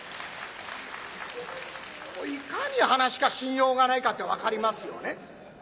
いかに噺家信用がないかって分かりますよね。